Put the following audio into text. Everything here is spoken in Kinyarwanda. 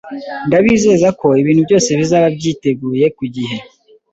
Ndabizeza ko ibintu byose bizaba byiteguye ku gihe.